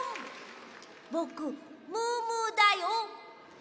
ぼくムームーだよ。